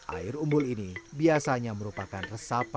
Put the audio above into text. air umbul ini biasanya merupakan resap panas